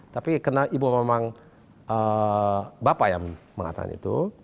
tapi karena ibu memang bapak yang mengatakan itu